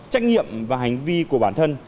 trách nhiệm và hành vi của bản thân